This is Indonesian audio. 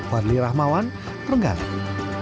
wadli rahmawan trenggalek